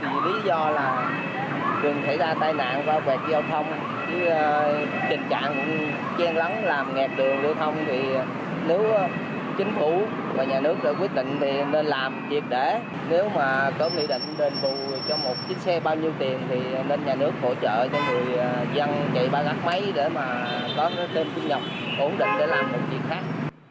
nên làm một việc để nếu mà có quy định đền bù cho một chiếc xe bao nhiêu tiền thì nên nhà nước hỗ trợ cho người dân chạy ba gạc máy để mà có thêm kinh nhập ổn định để làm một việc khác